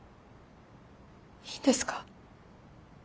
いいんですか？